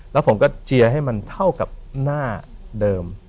แล้วผมก็เจียร์ให้มันเท่ากับหน้าเดิม